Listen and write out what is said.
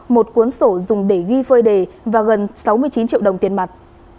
một cuốn sổ dùng để ghi phơi đề và gần sáu mươi chín triệu đồng tiền mặt